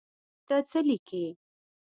ته څه لیکې.